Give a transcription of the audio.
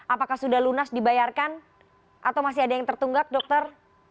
apakah sudah lunas dibayarkan atau masih ada yang tertunggak dokter